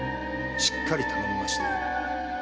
しっかり頼みましたよ。